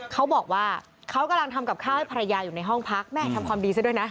เขาบอกว่าเขากำลังทำกับข้าวให้ภรรยาอยู่ในห้องพักแม่ทำความดีซะด้วยนะ